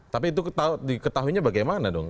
tapi itu diketahuinya bagaimana dong